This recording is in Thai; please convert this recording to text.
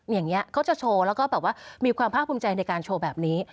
อย่างนี้เขาจะโชว์แล้วก็แบบว่ามีความภาคภูมิใจในการโชว์แบบนี้